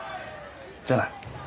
じゃあな。